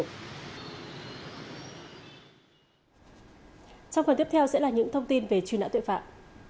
trong phần tiếp theo sẽ là những thông tin về truy nã tuyên phạt